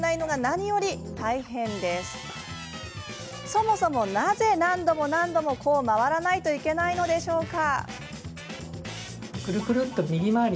そもそもなぜ何度も何度も回らないといけないんでしょうか？